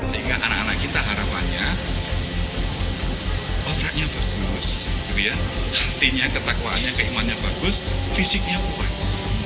sehingga anak anak kita harapannya otaknya bagus hatinya ketakwaannya keimannya bagus fisiknya kuat